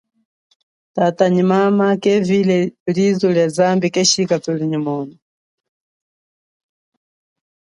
Tata nyi mama kevile liji lia zambi keshika thuli nyi mono.